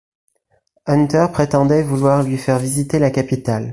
Hunter prétendait vouloir lui faire visiter la capitale.